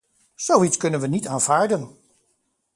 Zoiets kunnen wij niet aanvaarden.